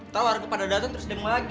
tau warga pada dateng terus demen lagi